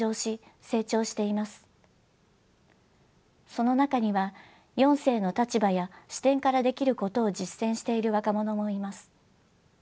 その中には四世の立場や視点からできることを実践している若者もいます。